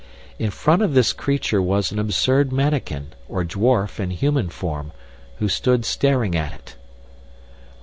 In front of this creature was an absurd mannikin, or dwarf, in human form, who stood staring at it.